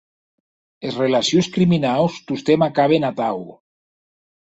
Es relacions criminaus tostemp acaben atau.